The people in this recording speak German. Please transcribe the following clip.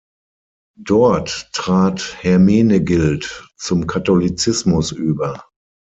Dort trat Hermenegild zum Katholizismus über.